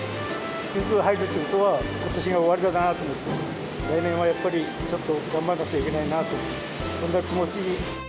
ゆず湯に入ると、ことしも終わりだなーって、来年はやっぱりちょっと頑張らなくちゃいけないなと、そんな気持ち。